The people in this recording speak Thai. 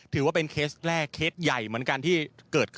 ถือว่าเป็นเคสแรกเคสใหญ่เหมือนกันที่เกิดขึ้น